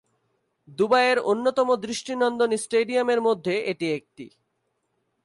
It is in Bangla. দুবাইয়ের অন্যতম দৃষ্টিনন্দন স্টেডিয়ামের মধ্যে এটি একটি।